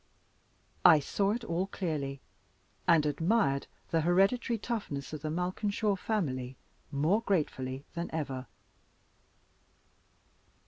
I saw it all clearly, and admired the hereditary toughness of the Malkinshaw family more gratefully than ever.